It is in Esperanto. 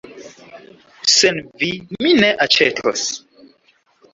Sen vi mi ne aĉetos.